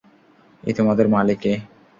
এই, তোমাদের মালী কে?